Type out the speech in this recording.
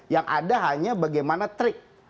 yang ada hanya bagaimana trik